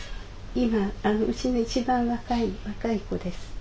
今うちの一番若い子です。